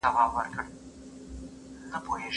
هغه وویل چې سبا به هوا صافه وي.